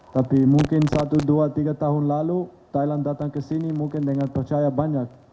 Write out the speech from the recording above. tapi mungkin satu dua tiga tahun lalu thailand datang ke sini mungkin dengan percaya banyak